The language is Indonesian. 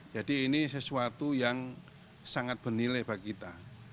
jadi ini sesuatu yang sangat bernilai bagi kita